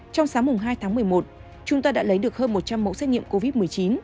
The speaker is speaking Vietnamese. trong sáng hai tháng một mươi một chúng ta đã lấy được hơn một trăm linh mẫu xét nghiệm covid một mươi chín